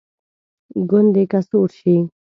ګوندې که سوړ شي.